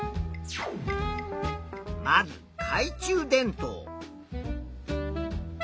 まずかい中電灯。